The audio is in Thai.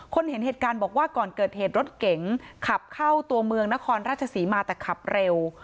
เห็นเหตุการณ์บอกว่าก่อนเกิดเหตุรถเก๋งขับเข้าตัวเมืองนครราชศรีมาแต่ขับเร็ว